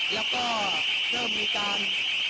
แล้วก็เริ่มมีการ